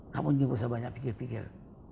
kamu jangan banyak banyak pikir pikir